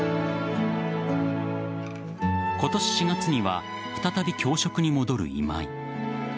今年４月には再び教職に戻る今井。